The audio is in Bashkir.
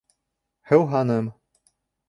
Һыуһаным.